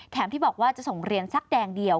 ที่บอกว่าจะส่งเรียนสักแดงเดียว